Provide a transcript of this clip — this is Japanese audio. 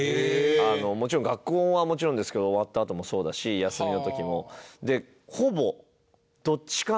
もちろん学校はもちろんですけど終わったあともそうだし休みの時も。